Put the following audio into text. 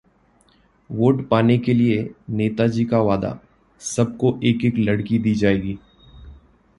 vote पाने के लिए नेताजी का वादा- सबको एक-एक लड़की दी जाएगी